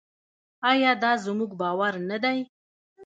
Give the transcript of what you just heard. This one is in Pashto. آیا دا زموږ باور نه دی؟